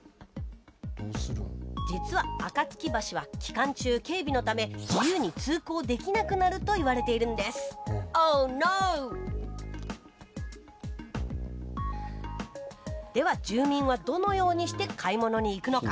実は暁橋は期間中警備のため自由に通行できなくなるといわれているんですでは住民はどのようにして買い物に行くのか。